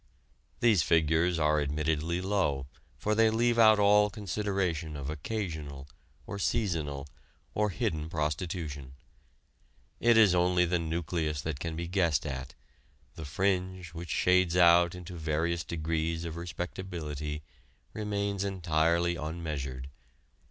These figures are admittedly low for they leave out all consideration of occasional, or seasonal, or hidden prostitution. It is only the nucleus that can be guessed at; the fringe which shades out into various degrees of respectability remains entirely unmeasured.